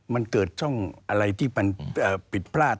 มันเกิดช่องอะไรที่มันผิดพลาด